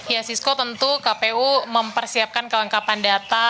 ya sisko tentu kpu mempersiapkan kelengkapan data